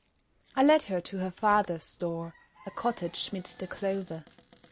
I led her to her father's door A cottage mid the clover.